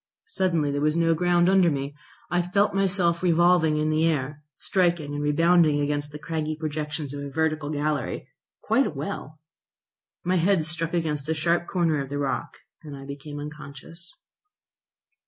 Suddenly there was no ground under me. I felt myself revolving in air, striking and rebounding against the craggy projections of a vertical gallery, quite a well; my head struck against a sharp corner of the rock, and I became unconscious.